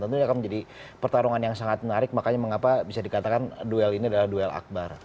tentunya akan menjadi pertarungan yang sangat menarik makanya mengapa bisa dikatakan duel ini adalah duel akbar